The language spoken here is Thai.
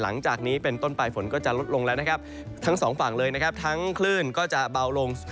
หลังจากนี้เป็นต้นปลายฝนก็จะลดลงแล้วทั้งสองฝั่งเลยทั้งคลื่นก็จะเบาลง